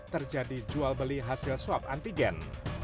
terjadi jual beli hasil swab antigen